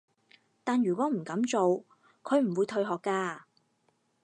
但如果唔噉做，佢唔會退學㗎